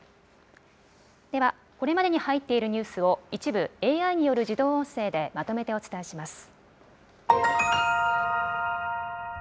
では、これまでに入っているニュースを一部ＡＩによる自動音声でまとめてお伝えします。